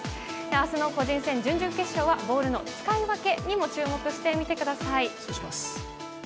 明日の個人戦、準々決勝はボールの使い分けにも注目してみてください。